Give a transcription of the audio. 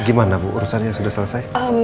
gimana bu urusannya sudah selesai